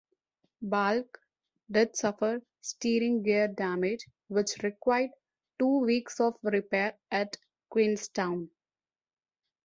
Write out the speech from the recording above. "Balch" did suffer steering gear damage which required two weeks of repair at Queenstown.